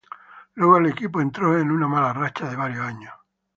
Luego el equipo entró en una mala racha de varios años.